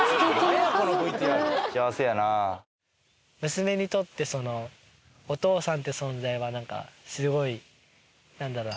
娘にとってお父さんっていう存在は何かすごい何だろうな。